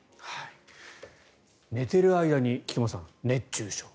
寝ている間に菊間さん熱中症。